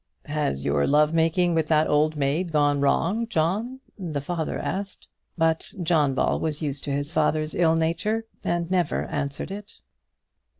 "Has your love making with that old maid gone wrong, John?" the father asked. But John Ball was used to his father's ill nature, and never answered it.